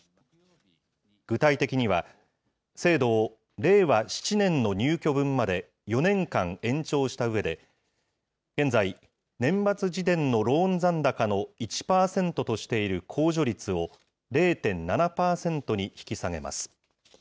具体的には、制度を令和７年の入居分まで、４年間延長したうえで、現在、年末時点のローン残高の１％としている控除率を０．７％に引き下げます。